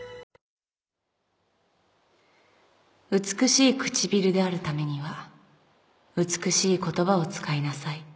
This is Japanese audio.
「美しい唇であるためには美しい言葉を使いなさい」